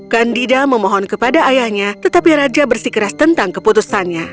candida memohon kepada ayahnya tetapi raja bersikeras tentang keputusannya